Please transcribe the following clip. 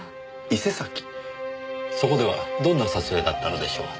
そこではどんな撮影だったのでしょう？